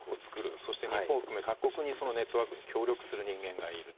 そして日本を含め、各国にネットワークに協力する人間がいると。